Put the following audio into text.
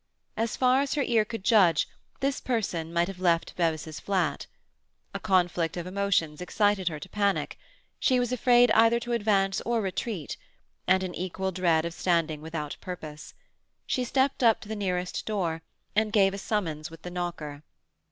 As far as her ear could judge, this person might have left Bevis's flat. A conflict of emotions excited her to panic. She was afraid either to advance or to retreat, and in equal dread of standing without purpose. She stepped up to the nearest door, and gave a summons with the knocker.